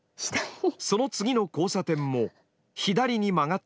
その次の交差点も左に曲がった